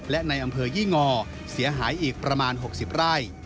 และในอำเภอยี่งอเสียหายอีกประมาณ๖๐ไร่